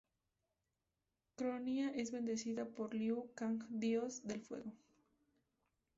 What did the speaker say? Kronika es vencida por Liu Kang Dios del Fuego.